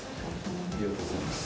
ありがとうございます。